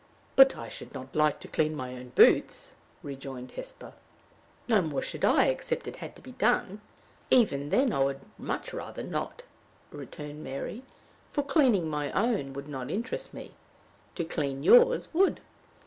"But I should not like to clean my own boots," rejoined Hesper. "No more should I, except it had to be done. Even then I would much rather not," returned Mary, "for cleaning my own would not interest me. To clean yours would.